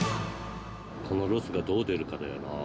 このロスがどう出るかだよな。